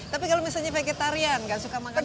tapi kalau misalnya vegetarian nggak suka makan